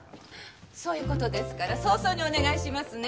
そういう事ですから早々にお願いしますね。